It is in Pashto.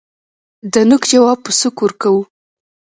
دنوک جواب په سوک ورکوو